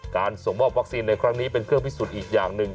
ส่งมอบวัคซีนในครั้งนี้เป็นเครื่องพิสูจน์อีกอย่างหนึ่ง